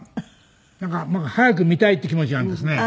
なんか早く見たいっていう気持ちがあるんですね。